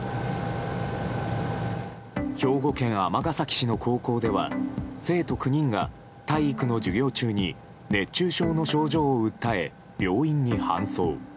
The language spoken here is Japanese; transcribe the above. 兵庫県尼崎市の高校では生徒９人が体育の授業中に熱中症の症状を訴え病院に搬送。